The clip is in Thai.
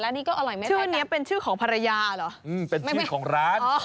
ร้านนี้ก็อร่อยชื่อเนี้ยเป็นชื่อของภรรยาเหรออืมเป็นชื่อของร้านอ๋อ